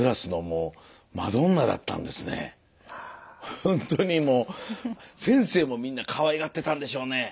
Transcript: ほんとにもう先生もみんなかわいがってたんでしょうね。